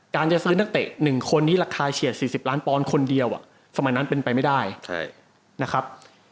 จะซื้อนักเตะ๑คนนี้ราคาเฉียด๔๐ล้านปอนด์คนเดียวสมัยนั้นเป็นไปไม่ได้นะครับ